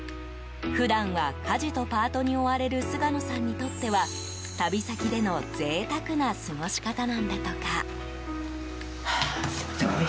普段は、家事とパートに追われる菅野さんにとっては旅先での贅沢な過ごし方なんだとか。